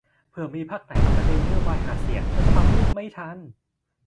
เผื่อมีพรรคไหนเอาไปเป็นนโยบายหาเสียง แล้วจะปั๊มลูกไม่ทัน